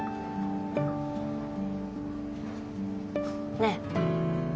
ねえ。